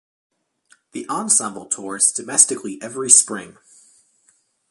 The ensemble tours domestically every spring.